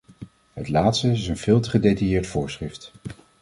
Het laatste is een veel te gedetailleerd voorschrift.